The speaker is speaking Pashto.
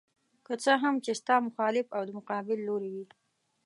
که څه هم چې ستا مخالف او د مقابل لوري وي.